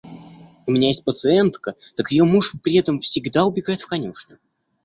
У меня есть пациентка, так ее муж при этом всегда убегает в конюшню.